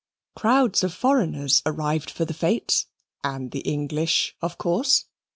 Crowds of foreigners arrived for the fetes, and of English, of course.